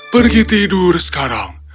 pergi tidur sekarang